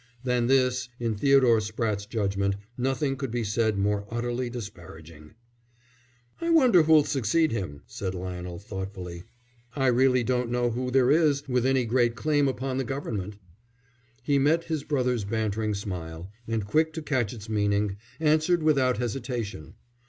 Than this, in Theodore Spratte's judgment, nothing could be said more utterly disparaging. "I wonder who'll succeed him," said Lionel, thoughtfully. "I really don't know who there is with any great claim upon the Government." He met his brother's bantering smile, and quick to catch its meaning, answered without hesitation.